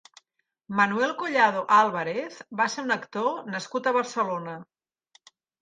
Manuel Collado Álvarez va ser un actor nascut a Barcelona.